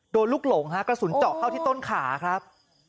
ลูกหลงฮะกระสุนเจาะเข้าที่ต้นขาครับ